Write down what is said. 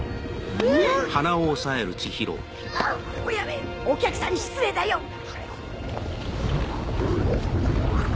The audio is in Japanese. おやめお客さんに失礼だよ。